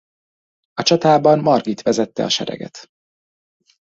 A csatában Margit vezette a sereget.